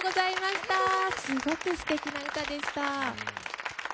すごくすてきな歌でした。